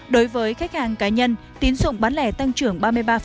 đối với khách hàng cá nhân tín dụng bán lẻ tăng trưởng ba mươi ba